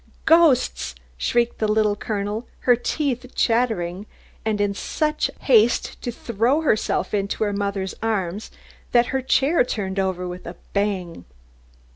Ghosts?" shrieked the Little Colonel, her teeth chattering, and in such haste to throw herself into her mother's arms that her chair turned over with a bang.